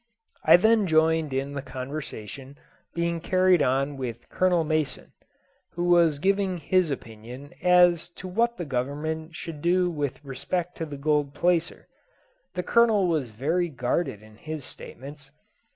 I then joined in the conversation being carried on with Colonel Mason, who was giving his opinion as to what the Government would do with respect to the gold placer. The Colonel was very guarded in his statements.